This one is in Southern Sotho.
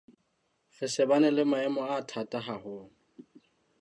Re shebane le maemo a thata haholo.